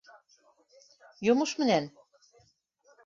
Йомош менән.